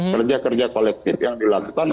kerja kerja kolektif yang dilakukan